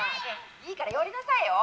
「いいから寄りなさいよ。